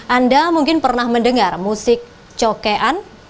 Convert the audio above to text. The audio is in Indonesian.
anda mungkin pernah mendengar musik cokean